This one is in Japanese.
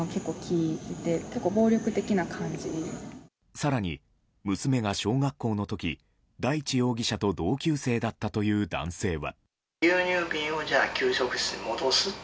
更に娘が小学校の時大地容疑者と同級生だったという男性は。